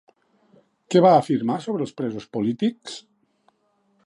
Què va afirmar sobre els presos polítics?